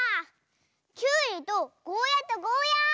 きゅうりとゴーヤーとゴーヤー！